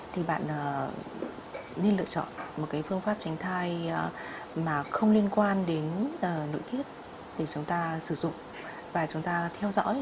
thì bạn nên lựa chọn một cái phương pháp tránh thai mà không liên quan đến nội thiết để chúng ta sử dụng và chúng ta theo dõi